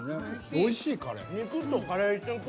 おいしいカレー。